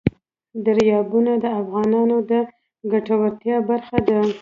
دریابونه د افغانانو د ګټورتیا برخه ده.